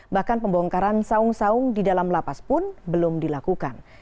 bahkan pembongkaran saung saung di dalam lapas pun belum dilakukan